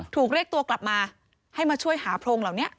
ถูกเรียกตัวกลับมาให้มาช่วยหาโพรงเหล่านี้